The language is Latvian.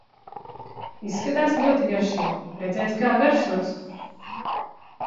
Izskatās ļoti garšīgi, redzēs kā garšos!